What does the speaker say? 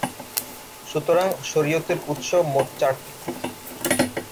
সুতরাং, শরিয়তের উৎস মোট চারটি।